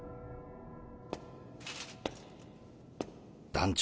団長